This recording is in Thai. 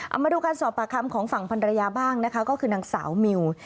เอามาดูการสอบปากคำของฝั่งพันรยาบ้างนะคะก็คือนางสาวมิว